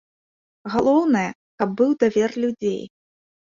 Галоўнае, каб быў давер людзей.